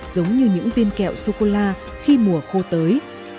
giống như những viên kẹo sô cô la khi mùa khô tới